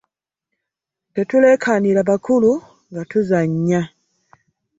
Tetuleekaanira bakulu nga tuzannya.